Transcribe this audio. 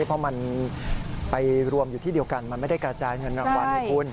เพราะมันไปรวมอยู่ที่เดียวกันมันไม่ได้กระจายเงินรางวัลไงคุณ